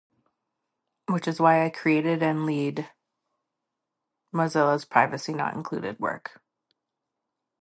Which is why I created and lead Mozilla's Privacy Not Included work.